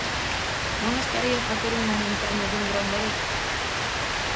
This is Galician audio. Non estarei a facer unha montaña dun gran de area?